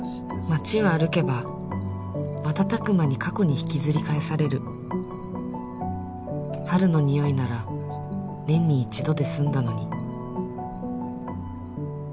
「街を歩けば瞬く間に過去に引きずり返される」「春の匂いなら年に一度で済んだのに」